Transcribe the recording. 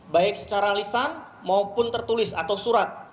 baik secara lisan maupun tertulis atau surat